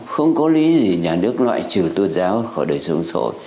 không có lý gì nhà nước loại trừ tôn giáo khỏi đời sống sổ